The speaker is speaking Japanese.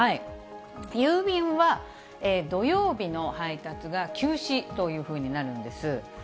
郵便は、土曜日の配達が休止というふうになるんです。